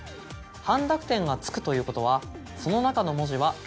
半濁点が付くということはその中の文字は。